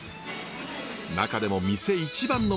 中でも店一番の名物が。